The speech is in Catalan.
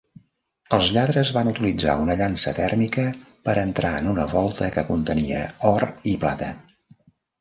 Els lladres van utilitzar una llança tèrmica per entrar en una volta que contenia or i plata.